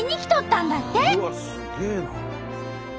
うわっすげえな。